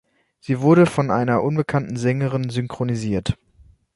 Sie wurde von einer unbekannten Sängerin synchronisiert.